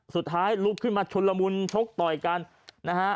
สุดท้ายลุกขึ้นมาชุนละมุนชกต่อยกันนะฮะ